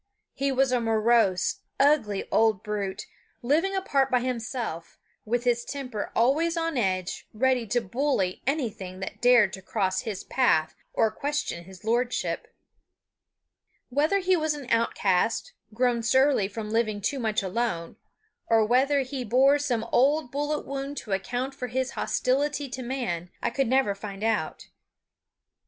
He was a morose, ugly old brute, living apart by himself, with his temper always on edge ready to bully anything that dared to cross his path or question his lordship. Whether he was an outcast, grown surly from living too much alone, or whether he bore some old bullet wound to account for his hostility to man, I could never find out.